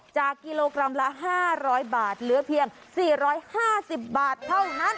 กิโลกรัมละ๕๐๐บาทเหลือเพียง๔๕๐บาทเท่านั้น